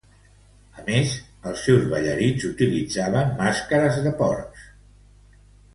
A més, els seus ballarins utilitzaven màscares de porcs.